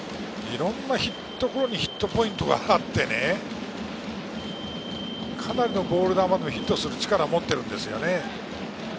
いろんなヒットゾーンにヒットポイントがあってね、ボール球でもヒットする力を持っているんですよね。